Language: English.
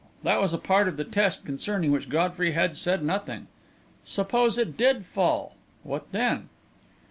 That was a part of the test concerning which Godfrey had said nothing. Suppose it did fall! What then?